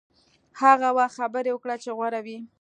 هغه وخت خبرې وکړه چې غوره وي.